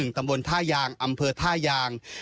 ตำบลท่ายางอำเภอท่ายาง